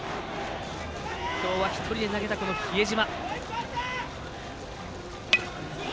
今日は１人で投げた比江島。